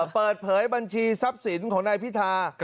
เปิดเผยบัญชีทรัพย์สินของนายพิธา